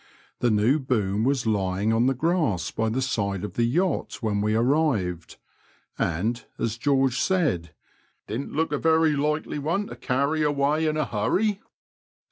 The new boom was lying on the grass by the side of the yacht when we arrived, and, as George said, didn't look a very likely one to carry away in a hurry."